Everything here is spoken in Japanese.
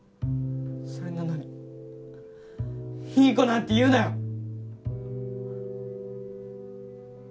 それなのにいい子なんて言うなよ！